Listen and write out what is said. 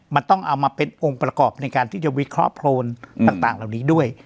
มันต้องเอามาเป็นองค์ประกอบในการที่จะวิเคราะห์โพลนต่างเหล่านี้ด้วย